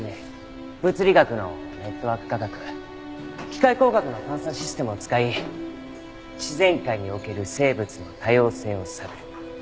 ＤＮＡ物理学のネットワーク科学機械工学の探査システムを使い自然界における生物の多様性を探る。